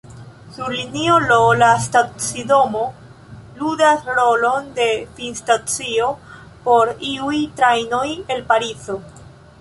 Sur linio L, la stacidomo ludas rolon de finstacio por iuj trajnoj el Parizo.